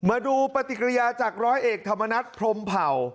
มาดูปฏิกิริยาจากร้อยเอกธรรมนัฐพรมเผ่า